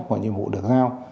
và nhiệm vụ được giao